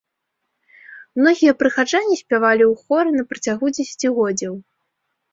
Многія прыхаджане спявалі ў хоры на працягу дзесяцігоддзяў.